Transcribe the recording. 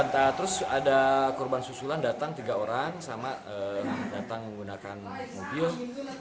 nah terus ada korban susulan datang tiga orang sama datang menggunakan mobil